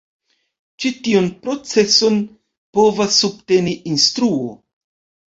Ĉi tiun proceson povas subteni instruo.